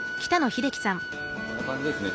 こんな感じですね